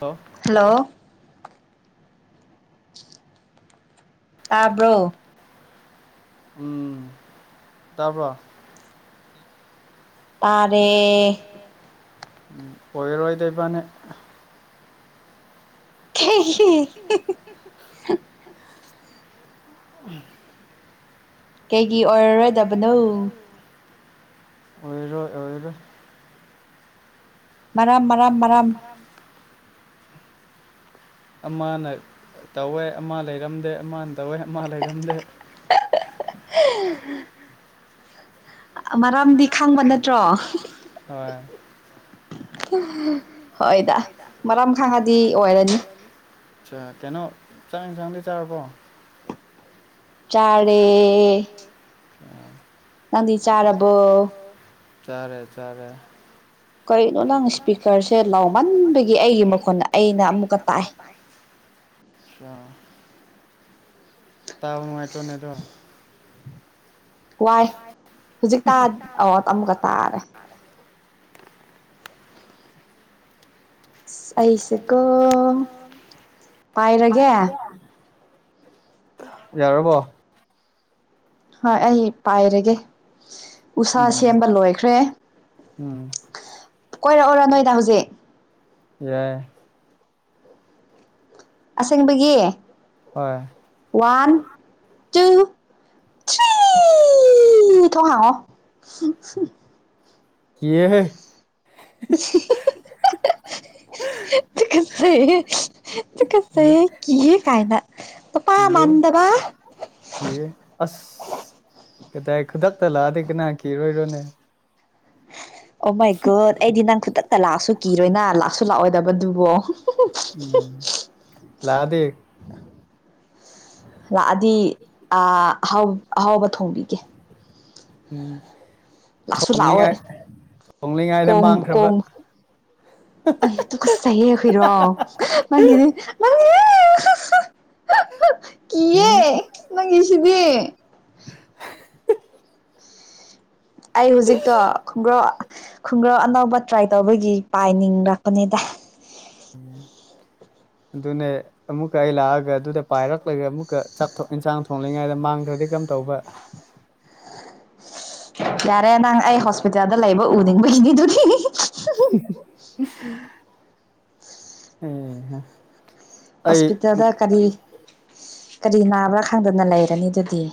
Hello hello ꯇꯥꯕ꯭ꯔꯣ꯫ ꯎꯝ ꯇꯕ꯭ꯔꯣ꯫ ꯇꯥꯔꯦ ꯑꯣꯏꯔꯔꯣꯏꯗ ꯏꯕꯅꯤ꯫ ꯀꯩꯒꯤ ꯀꯩꯒꯤ ꯑꯣꯏꯔꯔꯣꯏꯗꯕꯅꯣ꯫ ꯑꯣꯏꯔꯣꯢ ꯑꯣꯏꯔꯣꯏ ꯃꯔꯝ ꯃꯔꯝ ꯃꯔꯝ꯫ ꯑꯃꯅ ꯇꯧꯋꯦ ꯑꯃ ꯂꯩꯔꯝꯗꯦ ꯑꯃꯅ ꯇꯧꯋꯦ ꯑꯃ ꯂꯩꯔꯝꯗꯦ ꯎꯝ ꯎꯝ꯫ [inaudible] ꯃꯔꯥꯝꯗꯤ ꯈꯪꯕ ꯅꯠꯇ꯭ꯔꯣ ꯍꯣꯏ ꯍꯣꯏꯗ ꯃꯔꯝ ꯈꯥꯡꯉꯗꯤ ꯑꯣꯏꯔꯅꯤ ꯑꯆꯥ ꯀꯩꯅꯣ ꯆꯥꯛ ꯌꯦꯟꯁꯥꯡꯗꯤ ꯆꯥꯔꯕꯣ ꯆꯥꯔꯦ ꯎꯝ ꯅꯪꯗꯤ ꯆꯥꯔꯕꯣ꯫ ꯆꯥꯔꯦ ꯆꯥꯔꯦ꯫ ꯀꯩꯅꯣ ꯅꯪ ꯏꯁꯄꯤꯀꯔꯁꯦ ꯂꯥꯎꯃꯟꯕꯒꯤ ꯑꯩꯒꯤ ꯃꯈꯣꯟ ꯑꯩꯅ ꯑꯃꯨꯛꯀ ꯇꯥꯥꯏ꯫ ꯑꯥ ꯇꯥꯎꯕ ꯅꯨꯡꯉꯥꯏꯇ꯭ꯔꯣꯅꯦꯗꯣ꯫ ꯋꯥꯏ ꯍꯧꯖꯤꯛꯇ ꯑꯣ ꯑꯃꯨꯛꯀ ꯇꯥꯔꯦ꯫ ꯑꯁ ꯑꯩꯁꯦꯀꯣ ꯄꯥꯏꯔꯒꯦ꯫ ꯌꯥꯔꯕꯣ ꯍꯣꯏ ꯑꯩ ꯄꯥꯏꯔꯒꯦ ꯎꯁꯥ ꯎꯝ ꯁꯦꯝꯕ ꯂꯣꯏꯈ꯭ꯔꯦ ꯎꯝ ꯀꯣꯏꯔꯛꯎꯔꯣ ꯅꯣꯏꯗ ꯍꯧꯖꯤꯛ ꯌꯥꯏ꯫ ꯑꯁꯦꯡꯕꯒꯤ꯫ ꯍꯣꯏ ꯋꯥꯟ ꯇꯨ꯫ ꯊꯔꯤ ꯇꯣꯡ ꯍꯥꯡꯉꯣ ꯀꯤꯌꯦ ꯍꯦ ꯍꯤ ꯍꯤ ꯑꯑ꯫ [inaudible] ꯇꯨꯀꯠꯆꯩꯌꯦ ꯀꯤꯌꯦ ꯇꯨꯀꯠꯆꯩꯌꯦ ꯀꯤꯌꯦ ꯀꯥꯏꯅ꯫ ꯅꯨꯄꯥ ꯀꯤꯌꯦ ꯃꯥꯟꯗꯕ ꯀꯤꯌꯦ ꯑꯁ ꯀꯗꯥꯏ ꯈꯨꯗꯛꯇ ꯂꯥꯛꯑꯗꯤ ꯀꯅꯥ ꯀꯤꯔꯣꯏꯗꯨꯢꯅꯣ ꯑꯣ ꯃꯥꯏ ꯒꯨꯗ ꯑꯩꯗꯤ ꯅꯪ ꯈꯨꯗꯛꯇ ꯂꯥꯛꯑꯁꯨ ꯀꯤꯔꯣꯏꯅ ꯂꯥꯛꯁꯨ ꯂꯥꯛꯑꯣꯏꯗꯕꯗꯨꯕꯣ꯫ ꯎꯝ ꯂꯥꯛꯑꯗꯤ ꯂꯥꯛꯑꯗꯤ ꯑꯥ ꯑꯍꯥꯎ ꯑꯍꯥꯎꯕ ꯊꯣꯡꯕꯤꯒꯦ ꯎꯝ ꯂꯥꯛꯁꯨ ꯂꯥꯛꯑꯣꯏ ꯊꯣꯡꯂꯤꯉꯥꯏ ꯊꯣꯡꯂꯤꯉꯩꯗ ꯀꯣꯡ ꯃꯥꯡꯈ꯭ꯔꯕ ꯀꯣꯡ ꯑꯩ ꯇꯨꯀꯠꯆꯩꯑꯦ ꯍꯨꯏꯔꯣ ꯅꯪꯒꯤꯗꯣ ꯅꯪꯒꯤꯗꯣ꯫ [inaudible] ꯍ ꯍ ꯍꯍ꯫ [inaudible] ꯎꯝ ꯅꯪꯒꯤꯁꯤꯗꯤ꯫ ꯑꯩ ꯍꯧꯖꯤꯛꯇꯣ ꯈꯣꯡꯒ꯭ꯔꯣ꯫ ꯈꯨꯡꯒ꯭ꯔꯥꯎ ꯑꯅꯧꯕ ꯇ꯭ꯔꯥꯏ ꯇꯧꯕꯒꯤ ꯄꯥꯏꯅꯤꯡꯔꯛꯄꯅꯦꯗ꯫ ꯑꯗꯨꯅꯦ꯫ ꯑꯃꯨꯛꯀ ꯑꯩ ꯂꯥꯛꯑꯒ ꯑꯗꯨꯗ ꯄꯥꯏꯔꯛꯂꯒ ꯑꯃꯨꯛꯀ ꯆꯥꯛꯊꯣꯛ ꯏꯟꯁꯥꯡ ꯊꯣꯡꯂꯤꯉꯩꯗ ꯃꯥꯡꯒ꯭ꯔꯗꯤ ꯀꯝ ꯇꯧꯕ꯫ ꯌꯥꯔꯦ ꯅꯪ ꯑꯩ ꯍꯣꯁꯄꯤꯇꯥꯜꯗ ꯂꯩꯕ ꯎꯅꯤꯡꯕꯒꯤꯅꯤꯗꯨꯗꯤ [unintelligible] ꯍꯩ ꯍꯥ ꯍꯣꯁꯄꯤꯇꯥꯜꯗ ꯀꯔꯤ ꯀꯔꯤ ꯅꯥꯕ꯭ꯔꯥ ꯈꯪꯗꯅ ꯂꯩꯔꯅꯤ ꯑꯗꯨꯗꯤ꯫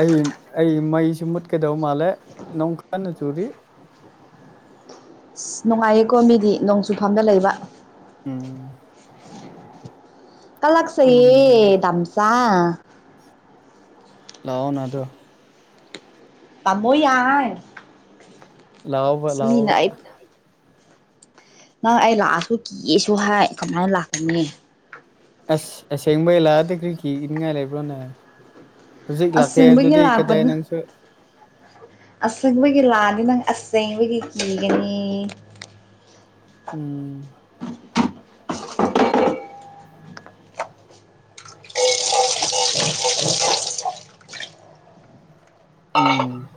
ꯑꯩ ꯑꯩ ꯃꯩꯁꯨ ꯃꯨꯠꯀꯗꯧ ꯃꯥꯜꯂꯦ ꯅꯣꯡ ꯀꯟꯅ ꯆꯨꯔꯤ꯫ ꯑꯁ ꯅꯨꯡꯉꯥꯏꯌꯦꯀꯣ ꯃꯤꯗꯤ ꯅꯣꯡꯆꯨꯐꯝꯗ ꯂꯩꯕ ꯎꯝ ꯀꯂꯛꯆꯩꯌꯦ ꯗꯥꯝꯆꯥ꯫ ꯂꯥꯛꯑꯣꯅꯗꯣ꯫ ꯇꯃꯣ ꯌꯥꯏ꯫ ꯂꯑꯣꯕ ꯑꯁ ꯃꯤꯅ ꯂꯑꯣꯕ ꯑꯩ ꯅꯪ ꯑꯩ ꯂꯥꯛꯑꯁꯨ ꯀꯤꯌꯦꯁꯨ ꯍꯥꯏ ꯀꯃꯥꯏ ꯂꯥꯛꯀꯅꯤ꯫ ꯑꯁ ꯑꯁꯦꯡꯕꯩ ꯂꯥꯛꯑꯗꯤ ꯀ꯭ꯔꯤ ꯀꯤꯅꯤꯡꯉꯥꯏ ꯂꯩꯕ꯭ꯔꯣꯅꯦ꯫ ꯍꯧꯖꯤꯛ ꯂꯥꯛꯀꯦ ꯑꯁꯦꯡꯕꯒꯤ ꯑꯗꯨꯗꯤ ꯀꯥꯗꯥꯏ ꯅꯪꯁꯨ꯫ ꯑꯁꯪꯕꯒꯤ ꯂꯥꯛꯑꯗꯤ ꯅꯪ ꯑꯁꯦꯡꯕꯒꯤ ꯀꯤꯒꯅꯤ ꯎꯝ ꯎꯝ꯫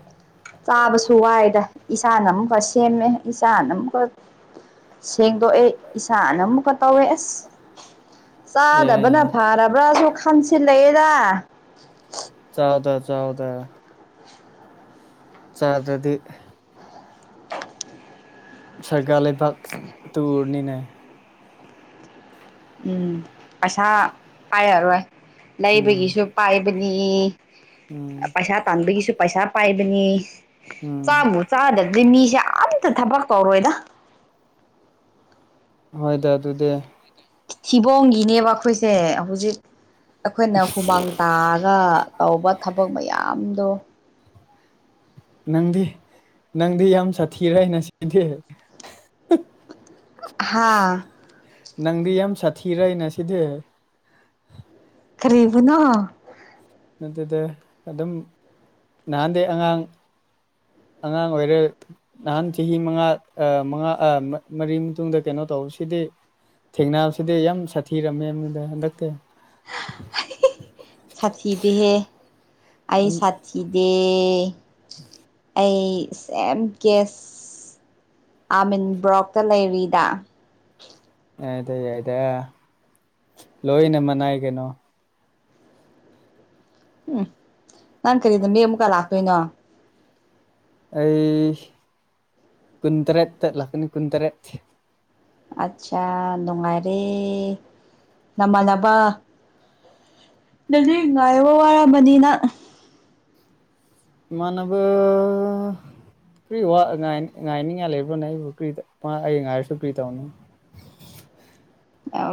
ꯆꯥꯕꯁꯨ ꯋꯥꯏꯗ ꯏꯁꯥꯅ ꯑꯃꯨꯛꯀ ꯁꯦꯝꯃꯦ ꯏꯁꯥꯅ ꯑꯃꯨꯛꯀ ꯁꯦꯡꯗꯣꯛꯑꯦ ꯏꯁꯥꯅ ꯑꯃꯨꯛꯀ ꯇꯧꯋꯦ ꯑꯁ ꯌꯥꯏ ꯆꯥꯗꯕꯅ ꯌꯥꯏ ꯐꯔꯕ꯭ꯔꯥꯁꯨ ꯈꯟꯁꯤꯜꯂꯛꯑꯦꯗ [unintelligible] ꯆꯥꯎꯗ ꯆꯥꯎꯗ ꯆꯥꯗ꯭ꯔꯗꯤ ꯁꯔꯒꯥꯥ ꯂꯩꯕꯥꯛ ꯇꯨꯔꯅꯤꯅ ꯎꯝ ꯄꯩꯁꯥ ꯄꯥꯏꯔꯔꯣꯏ ꯎꯝ ꯂꯩꯕꯒꯤꯁꯨ ꯄꯥꯏꯕꯅꯤ ꯎꯝ ꯄꯩꯁꯥ ꯇꯥꯟꯕꯒꯤꯁꯨ ꯄꯩꯁꯥ ꯄꯥꯏꯕꯅꯤ ꯎꯝ ꯆꯥꯕꯨ ꯆꯥꯗꯦ ꯖꯤꯃꯤꯁꯦ ꯑꯝꯇ ꯊꯕꯛ ꯀꯧꯔꯣꯏꯗ ꯍꯣꯏꯗ ꯑꯗꯨꯗꯤ ꯁꯤꯕꯣꯡꯒꯤꯅꯦꯕ ꯑꯩꯈꯣꯏꯁꯦ ꯍꯧꯖꯤꯛ ꯑꯩꯈꯣꯏꯅ ꯍꯨꯃꯥꯡ ꯇꯥꯔ ꯇꯧꯕ ꯊꯕꯛ ꯃꯌꯥꯝꯗꯣ ꯅꯪꯗꯤ ꯅꯪꯗꯤ ꯌꯥꯝ ꯁꯥꯊꯤꯔꯩꯅ ꯁꯤꯗꯤ ꯍꯥꯥ ꯅꯪꯗꯤ ꯌꯥꯝ ꯁꯥꯊꯤꯔꯩꯅ ꯁꯤꯗꯤ ꯀꯔꯤꯕꯨꯅꯣ ꯅꯠꯇꯦꯗ ꯑꯗꯨꯝ ꯅꯍꯥꯟꯗꯩ ꯑꯉꯥꯡ ꯑꯉꯥꯡ ꯑꯣꯏꯔꯦ ꯅꯍꯥꯟ ꯆꯍꯤ ꯃꯉꯥ ꯑꯥ ꯃꯉꯥ ꯑꯥ ꯃ ꯃꯔꯤ ꯃꯇꯨꯡꯗ ꯀꯩꯅꯣ ꯇꯧꯔ ꯁꯤꯗꯤ ꯊꯦꯡꯅꯕꯁꯤꯗꯤ ꯌꯥꯝ ꯁꯥꯊꯤꯔꯝꯃꯦꯅꯗ ꯍꯟꯗꯛꯇꯤ [unintelligible] ꯁꯥꯊꯤꯗꯦꯍꯦ ꯑꯩ ꯌꯥꯝ ꯁꯥꯊꯤ ꯀꯤꯗꯦ ꯑꯩ ꯁꯦꯝ ꯀꯦꯁ ꯑꯥꯃꯤꯟ ꯕ꯭ꯔꯣꯛꯇ ꯂꯩꯔꯤꯗ ꯌꯥꯢꯗ ꯌꯥꯏꯗ ꯂꯣꯏꯅ ꯃꯅꯥꯏ ꯀꯩꯅꯣ ꯍꯨꯝ ꯅꯪ ꯀꯔꯤꯗ ꯃꯤ ꯑꯃꯨꯛꯀ ꯂꯥꯛꯇꯣꯏꯅꯣ ꯑꯩ ꯀꯨꯟꯇꯔꯦꯠꯇ ꯂꯥꯛꯀꯅꯤ ꯀꯨꯟꯇꯔꯦꯠ ꯑꯠꯁꯥ ꯅꯨꯡꯉꯥꯏꯔꯦ ꯅꯃꯥꯟꯅꯕ ꯗꯖꯤꯛ ꯉꯥꯏꯕ ꯋꯥꯔꯔꯕꯅꯤꯅ ꯏꯃꯥꯟꯅꯕ ꯀ꯭ꯔꯤ ꯋꯥ ꯉꯥꯏꯉꯥꯏꯅꯤꯡꯉꯥꯏ ꯂꯩꯕ꯭ꯔꯣꯅꯦ ꯑꯩꯕꯨ ꯀ꯭ꯔꯤ ꯃꯥ ꯑꯩ ꯉꯥꯏꯔꯁꯨ ꯀ꯭ꯔꯤ ꯇꯧꯅꯤ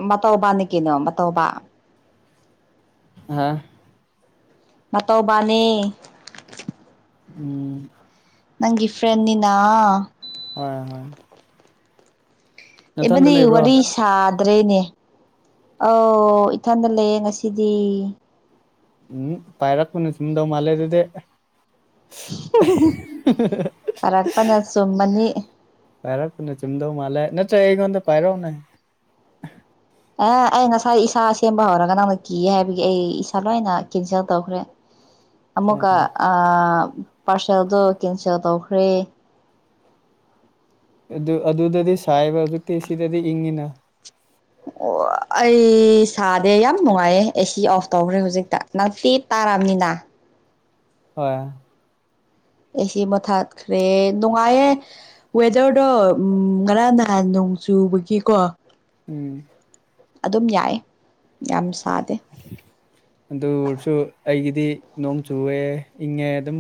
ꯃꯇꯣꯕꯅꯤ ꯀꯦꯅꯣ ꯃꯇꯣꯕ ꯍꯥ ꯃꯇꯧꯕꯥꯅꯤ ꯎꯝ ꯅꯪꯒꯤ ꯐ꯭ꯔꯦꯟꯅꯤꯅ ꯍꯣꯏ ꯍꯣꯏ ꯅꯊꯟꯗ ꯑꯤꯕꯅꯤ ꯂꯩꯕ꯭ꯔꯣ ꯋꯥꯔꯤ ꯁꯥꯗ꯭ꯔꯦꯅꯦ ꯑꯥꯎ ꯏꯊꯟꯇ ꯂꯩꯌꯦ ꯉꯁꯤꯗꯤ ꯎꯝ ꯄꯥꯏꯔꯛꯄꯅ ꯆꯨꯝꯗꯧ ꯃꯥꯜꯂꯦ ꯑꯗꯨꯗꯤ ꯄꯔꯛꯄꯅ ꯆꯨꯝꯃꯅꯤ ꯄꯥꯏꯔꯛꯄꯅ ꯆꯨꯝꯗꯧ ꯃꯥꯜꯂꯦ ꯅꯠꯇ꯭ꯔ ꯑꯩꯉꯣꯟꯗ ꯄꯥꯏꯔꯧꯅꯦ ꯑꯥ ꯑꯩ ꯉꯁꯥꯏ ꯏꯁꯥ ꯁꯦꯝꯕ ꯍꯧꯔꯒ ꯅꯪꯅ ꯀꯤ ꯍꯥꯏꯕꯒꯤ ꯑꯩ ꯏꯁꯥ ꯂꯣꯏꯅ ꯀꯦꯟꯁꯦꯜ ꯇꯧꯈ꯭ꯔꯦ ꯑꯃꯨꯛꯀ ꯑꯥ ꯄꯥꯔꯁꯦꯜꯗꯣ ꯀꯦꯟꯁꯦꯜ ꯇꯧꯈ꯭ꯔꯦ ꯑꯗꯨ ꯑꯗꯨꯗꯗꯤ ꯁꯥꯏꯕ ꯍꯧꯖꯤꯛꯇꯤ ꯁꯤꯗꯗꯤ ꯏꯪꯉꯤꯅ ꯑꯣ ꯑꯩ ꯁꯥꯗꯦ ꯌꯥꯝ ꯅꯨꯡꯉꯥꯏꯌꯦ ꯑꯦ ꯁꯤ ꯑꯣꯐ ꯇꯧꯈ꯭ꯔꯦ ꯍꯧꯖꯤꯛꯇ ꯅꯥꯄꯤ ꯇꯥꯔꯝꯅꯤꯅꯥ ꯍꯣꯏ ꯑꯦꯁꯤ ꯃꯨꯠꯊꯠꯈ꯭ꯔꯦ ꯅꯨꯡꯉꯥꯏꯌꯦ ꯋꯦꯗꯔꯗꯣ ꯎꯝ ꯉꯔꯥꯡ ꯅꯍꯥꯟ ꯅꯣꯡ ꯆꯨꯕꯒꯤꯀꯣ ꯎꯝ ꯑꯗꯨꯝ ꯌꯥꯏ ꯌꯥꯝ ꯁꯥꯗꯦ [unintelligible] ꯑꯗꯨ ꯑꯣꯏꯔꯁꯨ ꯑꯩꯒꯤꯗꯤ ꯅꯣꯡ ꯆꯨꯑꯦ ꯏꯪꯉꯦ ꯑꯗꯨꯝ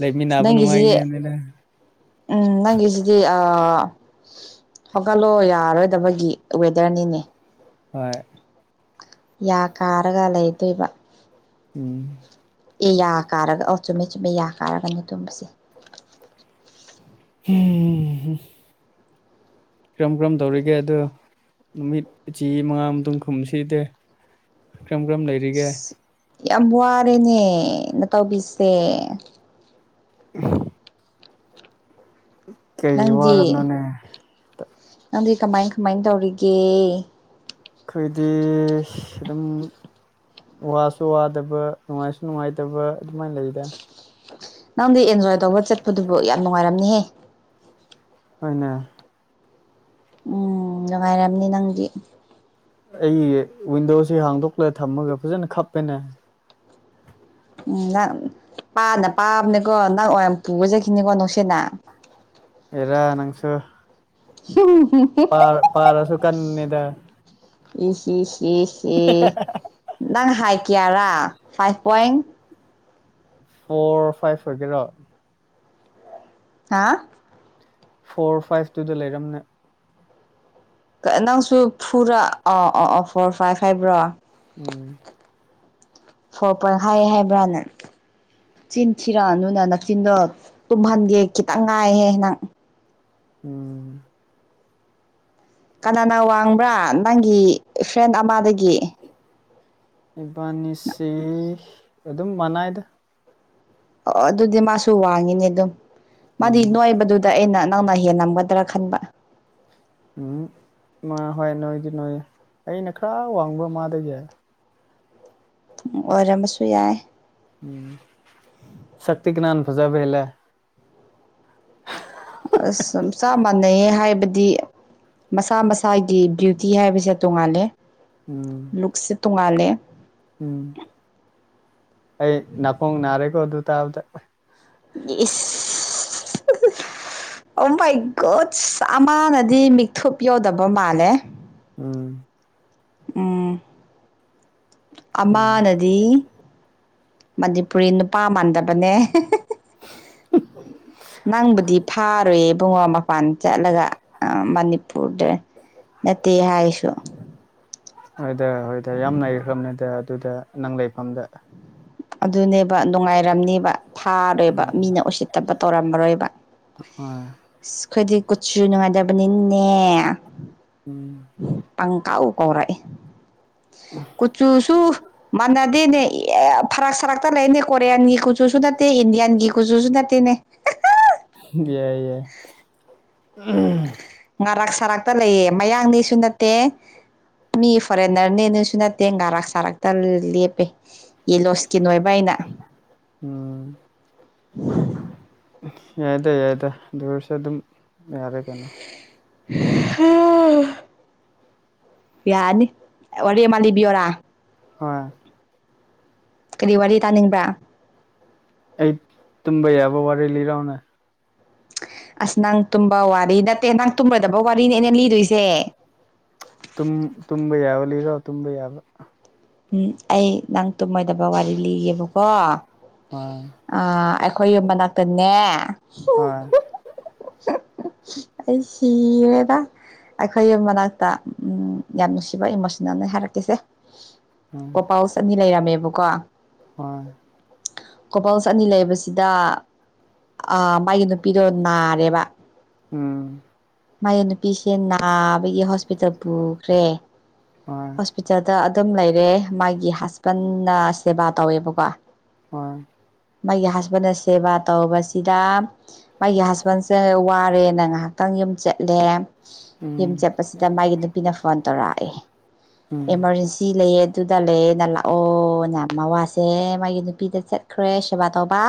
ꯂꯩꯃꯤꯟꯅꯕ ꯅꯪꯒꯤꯁꯤ ꯅꯨꯡꯉꯥꯏꯅꯦ ꯑꯗꯨꯅ ꯎꯝ ꯅꯪꯒꯤꯁꯤꯗꯤ ꯑꯥ ꯍꯧꯒꯠꯂꯣ ꯌꯥꯔꯣꯏꯗꯕꯒꯤ ꯋꯦꯗꯔꯅꯤꯅꯦ ꯍꯣꯏ ꯌꯥ ꯀꯥꯔꯒ ꯂꯩꯗꯣꯏꯕ ꯎꯝ ꯑꯦ ꯌꯥ ꯀꯥꯔꯒ ꯑꯣ ꯆꯨꯝꯃꯦ ꯆꯨꯝꯃꯦ ꯌꯥ ꯀꯥꯔꯒꯅꯤ ꯇꯨꯝꯕꯁꯦ ꯎꯝ ꯍꯨꯝ ꯀ꯭ꯔꯝ ꯀ꯭ꯔꯝ ꯇꯧꯔꯤꯒꯦ ꯑꯗꯨ ꯅꯨꯃꯤꯠ ꯆꯦ ꯃꯉꯥ ꯃꯇꯨꯡ ꯈꯨꯝꯁꯤꯇꯦ ꯀꯔꯝ ꯀꯔꯝ ꯂꯩ ꯑꯁ ꯌꯥꯝ ꯋꯥꯔꯦꯅꯦ ꯃꯇꯥꯎꯕꯤꯁꯦ [unintelligible] ꯀꯩꯒꯤ ꯋꯥꯔꯝꯅꯣꯅꯦ ꯑꯗꯨꯗꯤ ꯀꯃꯥꯏ ꯀꯃꯥꯏ ꯇꯧꯔꯤꯒꯦ ꯑꯩꯈꯣꯏꯗꯤ ꯑꯗꯨꯝ ꯋꯥꯁꯨ ꯋꯥꯗꯕ ꯅꯨꯡꯉꯥꯏꯁꯨ ꯅꯨꯡꯉꯥꯏꯇꯕ ꯑꯗꯨꯃꯥꯏꯟ ꯂꯩꯗ ꯅꯪꯗꯤ ꯑꯦꯟꯖꯣꯏ ꯇꯧꯕ ꯆꯠꯄꯗꯨꯕꯨ ꯌꯥꯝ ꯅꯨꯡꯉꯥꯏꯔꯝꯅꯤꯍꯦ ꯍꯣꯏꯅꯦ ꯎꯝ ꯅꯨꯡꯉꯥꯏꯔꯝꯅꯤ ꯅꯪꯗꯤ ꯑꯩ ꯋꯤꯟꯗꯣꯁꯤ ꯍꯥꯡꯗꯣꯛꯂ ꯊꯝꯃꯒ ꯐꯖꯅ ꯈꯞꯄꯦꯅꯦ ꯎꯝ ꯅꯪ ꯄꯥꯅ ꯄꯥꯕꯅꯦꯀꯣ ꯅꯪ ꯑꯣꯏꯅ ꯄꯨꯔꯥ ꯆꯠꯈꯤꯅꯤꯀꯣ ꯅꯨꯡꯁꯤꯠꯅꯥ ꯍꯦꯔꯥ ꯅꯪꯁꯨ [unintelligible] ꯄꯥ ꯄꯥꯔꯁꯨ ꯀꯟꯕꯅꯤꯗ ꯏ ꯁꯤꯁꯤ ꯁꯤ ꯅꯪ ꯍꯥꯏꯠ ꯀꯌꯥꯔꯥ ꯐꯥꯏꯚ ꯄꯣꯏꯟ ꯐꯣꯔ ꯐꯥꯏꯚ ꯑꯣꯏꯒꯦꯔꯣ ꯍꯥ ꯐꯣꯔ ꯐꯥꯏꯚ ꯇꯨꯗ ꯂꯩꯔꯝꯅꯤ ꯅꯪꯁꯨ ꯐꯨꯔ ꯑꯣ ꯑꯣ ꯑꯣ ꯐꯣꯔ ꯐꯥꯏꯚ ꯍꯥꯏꯕ꯭ꯔꯣ ꯎꯝ ꯐꯣꯔ ꯄꯣꯏꯟ ꯍꯥꯏ ꯍꯥꯏꯕ꯭ꯔꯥꯅ ꯆꯤꯟ ꯊꯤꯔꯛꯑꯅꯨꯅ ꯅꯛꯆꯤꯟꯗꯣ ꯇꯨꯝꯍꯟꯒꯦ ꯈꯤꯇꯪ ꯉꯥꯏꯍꯦ ꯅꯪ ꯎꯝ꯫ ꯀꯅꯥꯅ ꯋꯥꯡꯕ꯭ꯔꯥ ꯅꯪꯒꯤ ꯐ꯭ꯔꯦꯟ ꯑꯃꯗꯒꯤ ꯏꯕꯥꯅꯤꯁꯤ ꯑꯗꯨꯝ ꯃꯅꯥꯏꯗ ꯑꯣ ꯑꯗꯨꯗꯤ ꯃꯥꯁꯨ ꯋꯥꯡꯉꯤꯅꯦ ꯑꯗꯨꯝ ꯃꯥꯗꯤ ꯎꯝ ꯅꯣꯏꯕꯗꯨ ꯑꯗ ꯑꯩꯅ ꯅꯪꯅ ꯍꯦꯜꯂꯝꯒꯗ꯭ꯔꯥ ꯈꯟꯕ ꯎꯝ ꯍꯣꯏ ꯅꯣꯏꯗꯤ ꯅꯣꯏ ꯑꯩꯅ ꯈꯥ ꯋꯥꯡꯕ ꯃꯥꯗꯒꯤ ꯑꯣꯏꯔꯝꯃꯁꯨ ꯌꯥꯏ ꯎꯝ ꯁꯛꯇꯤ ꯀꯅꯥꯟ ꯐꯖꯕ ꯍꯦꯂꯦ ꯑꯁ ꯆꯞ ꯃꯥꯟꯅꯩꯌꯦ ꯍꯥꯏꯕꯗꯤ꯫ ꯃꯁꯥ ꯃꯁꯥꯒꯤ ꯗꯌꯨꯇꯤ ꯍꯥꯏꯕꯁꯦ ꯇꯣꯡꯉꯥꯂꯦ ꯎꯝ ꯂꯨꯛꯁꯦ ꯇꯣꯡꯉꯥꯜꯂꯦ ꯎꯝ ꯑꯩ ꯅꯥꯀꯣꯡ ꯅꯥꯔꯦꯀꯣ ꯑꯗꯨ ꯇꯥꯕꯗ ꯏꯁ ꯑꯣ ꯃꯥꯏ ꯒꯨꯠꯁ ꯑꯃꯅꯗꯤ ꯃꯤꯛꯊꯨꯞ ꯌꯣꯗꯕ ꯃꯥꯜꯂꯦ꯫ ꯎꯝ ꯎꯝ ꯎꯝ ꯑꯃꯥꯅꯗꯤ ꯃꯅꯤꯄꯨꯔꯤ ꯅꯨꯄꯥ ꯃꯥꯟꯗꯕꯅꯦ ꯅꯪꯕꯨꯗꯤ ꯐꯥꯔꯣꯏ ꯏꯕꯨꯡꯉꯣ ꯃꯄꯥꯟ ꯆꯠꯂꯒ ꯃꯅꯤꯄꯨꯔꯗ ꯅꯠꯇꯦ ꯍꯥꯏꯁꯨ ꯍꯣꯏꯗ ꯍꯣꯏꯗ ꯌꯥꯝ ꯂꯩꯈ꯭ꯔꯕꯅꯤꯗ ꯑꯗꯨꯗ ꯅꯪ ꯂꯩꯐꯝꯗ ꯑꯗꯨꯅꯦꯕ ꯅꯨꯡꯉꯥꯏꯔꯝꯅꯦꯕ ꯐꯥꯔꯣꯏꯕ ꯎꯝ ꯃꯤꯅ ꯎꯁꯤꯠꯇꯕ ꯇꯧꯔꯝꯃꯔꯣꯏꯕ ꯍꯣꯏ ꯁ ꯑꯩꯈꯣꯏꯗꯤ ꯀꯨꯠꯁꯨ ꯅꯨꯡꯉꯥꯏꯗꯕꯅꯤꯅꯦ ꯎꯝ ꯄꯪ ꯀꯥꯎ ꯀꯧꯔꯛꯑꯦ ꯀꯨꯆꯨꯁꯨ ꯃꯥꯟꯅꯗꯦꯅꯦ ꯌꯥ ꯐꯔꯛ ꯁꯥꯔꯛꯇ ꯂꯩꯕꯅꯦ ꯀꯣꯔꯤꯌꯥꯟꯒꯤ ꯀꯨꯆꯨꯁꯨ ꯅꯠꯇꯦ ꯏꯟꯗꯤꯌꯥꯟꯒꯤ ꯀꯨꯆꯨꯁꯨ ꯅꯠꯇꯦꯅꯦ ꯌꯥ ꯌꯥꯏ ꯉꯥꯔꯛ ꯁꯥꯔꯛꯇ ꯂꯩꯌꯦ ꯃꯌꯥꯡꯅꯤꯁꯨ ꯅꯠꯇꯦ ꯃꯤ ꯐꯣꯔꯦꯟꯅꯔꯅꯦ ꯅꯣꯏꯁꯨ ꯅꯠꯇꯦ ꯉꯔꯥꯛ ꯁꯥꯔꯛꯇ ꯂꯦꯞꯄꯦ ꯌꯦꯂꯣ ꯏꯁꯀꯤꯟ ꯑꯣꯏꯕ ꯑꯩꯅ ꯎꯝ ꯌꯥꯏꯗ ꯌꯥꯏꯗ ꯑꯗꯨ ꯑꯣꯏꯁꯨ ꯑꯗꯨꯝ ꯌꯥꯔꯦ ꯀꯩꯅꯣ ꯌꯥꯅꯤ ꯋꯥꯔꯤ ꯑꯃ ꯂꯤꯕꯤꯌꯣꯔꯥ ꯍꯣꯏ ꯀꯔꯤ ꯋꯥꯔꯤ ꯇꯥꯅꯤꯡꯕ꯭ꯔꯥ ꯑꯩ ꯇꯨꯝꯕ ꯌꯥꯕ ꯋꯥꯔꯤ ꯂꯤꯔꯥꯎꯅꯦ ꯑꯁ ꯅꯪ ꯇꯨꯝꯕ ꯋꯥꯔꯤ ꯅꯠꯇꯦ ꯅꯪ ꯇꯨꯝꯃꫭꯏꯗꯕ ꯋꯥꯔꯤꯅꯦ ꯑꯩꯅ ꯂꯤꯗꯣꯏꯁꯦ ꯇꯨꯝꯕ ꯌꯥꯕ ꯂꯤꯔꫭ ꯇꯨꯝꯕ ꯌꯥꯕ ꯎꯝ ꯑꯩ ꯅꯪ ꯇꯨꯝꯃꯣꯏꯗꯕ ꯋꯥꯔꯤ ꯂꯤꯒꯦꯕꯀꯣ ꯍꯣꯏ ꯑ ꯑꯩꯈꯣꯏ ꯌꯨꯝ ꯃꯅꯥꯛꯇꯅꯦ ꯍꯣꯏ ꯑꯩ ꯁꯤꫪꯦꯗ ꯑꯩꯈꯣꯏꯒꯤ ꯃꯅꯥꯛꯇ ꯌꯥꯝ ꯅꯨꯡꯁꯤꯕ ꯏꯃꯣꯁꯅꯦꯜꯅꯦ ꯍꯥꯏꯔꯛꯀꯁꯦ ꯎꯝ ꯀꫭꯄꯜꯁ ꯑꯅꯤ ꯂꯩꯔꯝꯃꯦꯕꯀꯣ ꯍꯣꯏ ꯀꯣꯄꯜ ꯑꯅꯤ ꯂꯩꯕꯁꯤꯗ ꯑꯥ ꯃꯥꯒꯤ ꯅꯨꯄꯤꯗꯣ ꯅꯥꯔꯦꯕ ꯎꯝ ꯃꯥꯒꯤ ꯅꯨꯄꯤꯁꯦ ꯅꯥꯕꯒꯤ ꯍꯣꯁꯄꯤꯇꯥꯜ ꯄꯨꯈ꯭ꯔꯦ ꯍꯣꯏ ꯄꯤꯇꯥꯜꯗ ꯑꯗꯨꯝ ꯂꯩꯔꯦ ꯃꯥꯒꯤ ꯍꯁꯕꯟꯅ ꯁꯦꯕꯥ ꯇꯧꯋꯦꯕꯀꯣ ꯍꯣꯏ ꯃꯥꯒꯤ ꯍꯁꯕꯦꯟꯅ ꯁꯦꯕꯥ ꯇꯧꯕꯁꯤꯗ ꯃꯥꯒꯤ ꯍꯁꯕꯦꯟꯁꯦ ꯋꯥꯔꯦꯅ ꯉꯥꯏꯍꯥꯛ ꯇꯪ ꯌꯨꯝ ꯆꯠꯂꯦ ꯌꯨꯝ ꯎꯝ ꯆꯠꯄꯁꯤꯗ ꯃꯥꯒꯤ ꯅꯨꯄꯤꯅ ꯐꯣꯟ ꯇꯧꯔꯛꯑꯦ ꯎꯝ ꯏꯃꯔꯖꯦꯟꯁꯤ ꯂꯩꯌꯦ ꯑꯗꯨꯗ ꯂꯩꯌꯦꯅ ꯂꯥꯛꯑꯣꯅ ꯃꯋꯥꯁꯦ ꯃꯥꯒꯤ ꯅꯨꯞ ꯄꯤꯗ ꯆꯠꯈ꯭ꯔꯦ ꯁꯦꯕꯥ ꯇꯧꯕ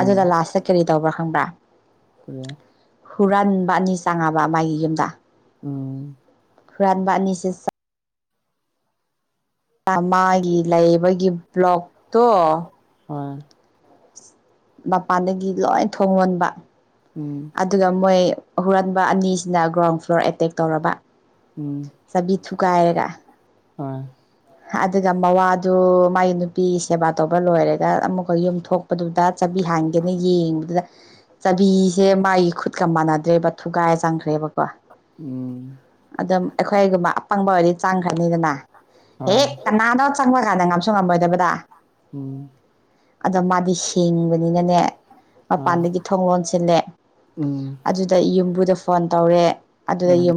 ꯑꯗꯨꯗ ꯂꯥꯁꯇ ꯀꯔꯤ ꯇꯧꯕ꯭ꯔꯥ ꯈꯪꯕ꯭ꯔꯥ [inaudible] ꯍꯨꯔꯥꯟꯕ ꯑꯅꯤ ꯆꯪꯉꯕ ꯃꯥꯒꯤ ꯌꯨꯝꯗ ꯎꯝ ꯍꯨꯔꯥꯟꯕ ꯑꯅꯤꯁꯦ ꯆ ꯃꯥꯒꯤ ꯂꯩꯕꯒꯤ ꯕ꯭ꯂꯣꯛꯇꯣ ꯍꯣꯏ ꯃꯄꯥꯟꯗꯒꯤ ꯂꯣꯏ ꯊꯣꯡ ꯂꯣꯟꯕ ꯎꯝ ꯑꯗꯨꯒ ꯃꯣꯏ ꯍꯨꯔꯥꯟꯕ ꯑꯅꯤꯁꯤꯅ ꯒ꯭ꯔꯥꯎꯟ ꯐ꯭ꯂꯣꯔ ꯑꯦꯇꯦꯛ ꯇꯧꯔꯕ ꯎꯝ ꯆꯕꯤ ꯊꯨꯒꯥꯏꯔꯒ ꯍꯣꯏ ꯑꯗꯨꯒ ꯃꯋꯥꯗꯨ ꯃꯥꯒꯤ ꯅꯨꯄꯤ ꯁꯦꯕꯥ ꯇꯧꯕ ꯂꯣꯏꯔꯒ ꯑꯃꯨꯛꯀ ꯌꯨꯝ ꯊꯣꯛ ꯑꯗꯨꯗ ꯆꯥꯕꯤ ꯍꯥꯡꯒꯦꯅ ꯌꯦꯡꯕꯗꯨꯗ ꯆꯥꯕꯤꯁꯦ ꯃꯥꯒꯤ ꯈꯨꯠꯀ ꯃꯥꯟꯅꯗ꯭ꯔꯦꯕ ꯊꯨꯒꯥꯏ ꯆꯪꯈ꯭ꯔꯦꯕꯀꯣ ꯎꯝ ꯑꯗꯨꯝ ꯑꯩꯈꯣꯏꯒꯨꯝꯕ ꯑꯄꯪꯕ ꯑꯣꯏꯗꯤ ꯆꯥꯡꯈ꯭ꯔꯅꯤꯗꯅ ꯍꯣꯏ ꯍꯦꯛ ꯀꯅꯥꯗꯣ ꯆꯪꯕ ꯀꯥꯟꯗ ꯉꯥꯝꯁꯨ ꯉꯝꯃꯣꯏꯗꯕꯗ ꯎꯝ ꯑꯗꯣ ꯃꯥꯗꯤ ꯁꯤ ꯌꯤꯡꯕꯅꯤꯅꯅꯦ ꯍꯣꯏ ꯃꯄꯥꯟꯗꯒꯤ ꯊꯣꯡ ꯂꯣꯟꯁꯤꯜꯂꯦ ꯎꯝ ꯑꯗꯨꯗ ꯌꯨꯝꯕꯨꯗ ꯐꯣꯟ ꯇꯧꯔꯦ ꯑꯗꯨꯗ ꯎꯝ ꯌꯨꯝ